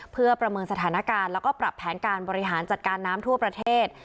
เพื่อประเมินสถานการณ์แล้วก็ปรับแผนการบริหารจัดการน้ำทั่วประเทศ